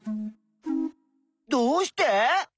どうして？